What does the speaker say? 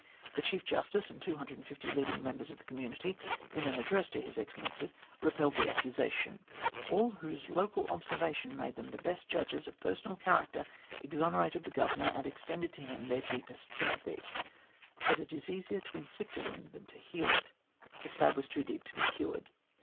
The Chief Justice and 250 leading members of the community, in an address to His Excellency, repelled the accusation; all whose local observation made them the best judges of personal character, exonerated the Governor, and extended to him their deepest sympathy. But it is easier to inflict a wound than to heal it ; the stab was too deep to be cured.